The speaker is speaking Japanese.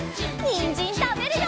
にんじんたべるよ！